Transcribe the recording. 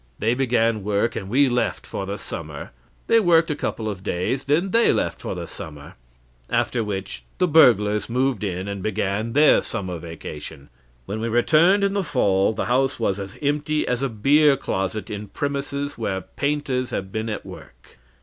They began work, and we left for the summer. They worked a couple of days; then they left for the summer. After which the burglars moved in, and began their summer vacation. When we returned in the fall, the house was as empty as a beer closet in premises where painters have been at work.